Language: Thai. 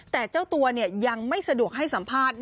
แต่เจ้าตัวยังไม่สะดวกให้สัมภาษณ์